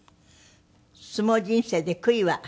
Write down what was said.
相撲人生で悔いは？